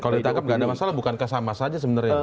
kalau ditangkap nggak ada masalah bukankah sama saja sebenarnya